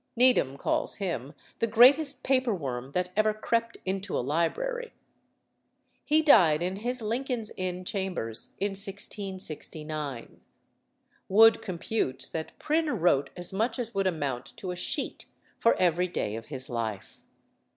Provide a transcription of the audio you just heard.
Needham calls him "the greatest paper worm that ever crept into a library." He died in his Lincoln's Inn chambers in 1669. Wood computes that Prynne wrote as much as would amount to a sheet for every day of his life.